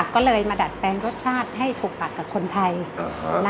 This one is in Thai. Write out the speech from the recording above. ก็เลยมาดัดแปลงรสชาติให้๖ปัดกับคนไทย